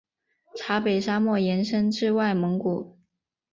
察北沙漠延伸至外蒙古。